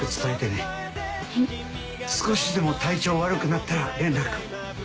少しでも体調悪くなったら連絡。